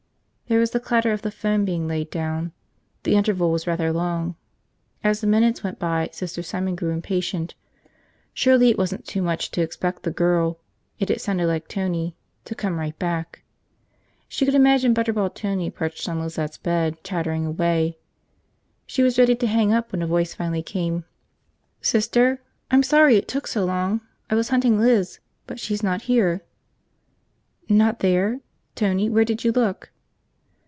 There was the clatter of the phone being laid down. The interval was rather long. As the minutes went by, Sister Simon grew impatient. Surely it wasn't too much to expect the girl – it had sounded like Tony – to come right back. She could imagine butterball Tony perched on Lizette's bed, chattering away. She was ready to hang up when a voice finally came. "Sister? I'm sorry I took so long. I was hunting Liz, but she's not here." "Not there? Tony, where did you look?"